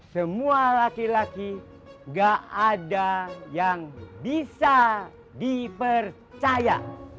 semua laki laki gak ada yang bisa dipercaya